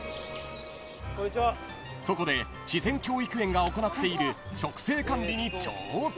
［そこで自然教育園が行っている植生管理に挑戦］